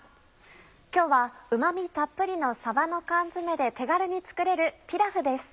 今日はうま味たっぷりのさばの缶詰で手軽に作れるピラフです。